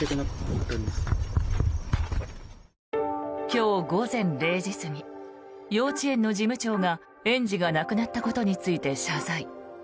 今日午前０時過ぎ幼稚園の事務長が園児が亡くなったことについて謝罪。